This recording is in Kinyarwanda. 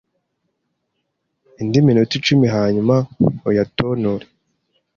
indi minota icumi hanyuma uyatonore.